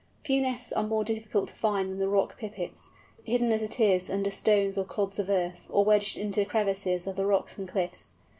Few nests are more difficult to find than the Rock Pipit's, hidden as it is under stones or clods of earth, or wedged into crevices of the rocks and cliffs.